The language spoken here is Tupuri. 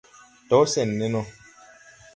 Do sen ne no :